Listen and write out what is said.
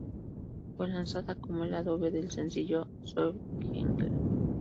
Fue lanzada como el lado B del sencillo Svefn-g-englar.